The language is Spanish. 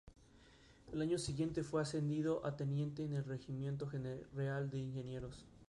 Al año siguiente fue ascendido a teniente en el Regimiento Real de Ingenieros.